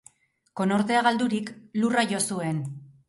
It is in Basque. Konortea galdurik, lurra jo zuen.